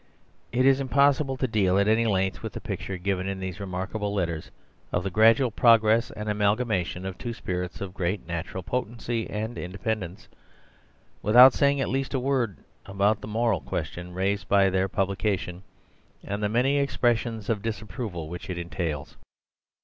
It is impossible to deal at any length with the picture given in these remarkable letters of the gradual progress and amalgamation of two spirits of great natural potency and independence, without saying at least a word about the moral question raised by their publication and the many expressions of disapproval which it entails.